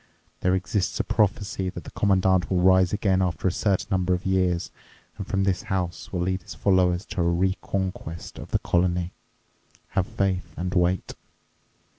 There exists a prophecy that the Commandant will rise again after a certain number of years and from this house will lead his followers to a re conquest of the colony. Have faith and wait!"